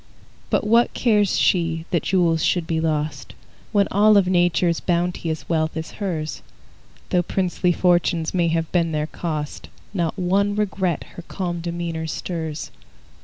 But what cares she that jewels should be lost, When all of Nature's bounteous wealth is hers? Though princely fortunes may have been their cost, Not one regret her calm demeanor stirs.